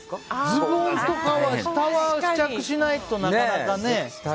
ズボンとか下は試着しないとなかなかね。